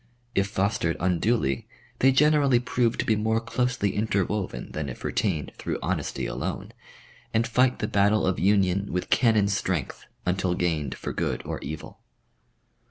If fostered unduly they generally prove to be more closely interwoven than if retained through honesty alone, and fight the battle of union with cannon strength until gained for good or evil.